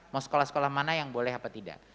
mau sekolah sekolah mana yang boleh apa tidak